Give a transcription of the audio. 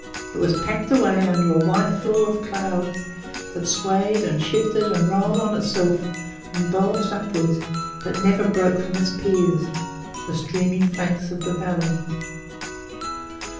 It was packed away under a white floor of cloud that swayed and shifted and rolled on itself and bulged upward, but never broke from its piers the streaming flanks of the valley.